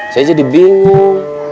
saya jadi bingung